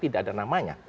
tidak ada namanya